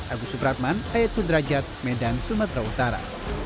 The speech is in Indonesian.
agus subratman ayatudrajat medan sumatera utara